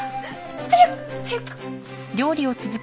早く早く！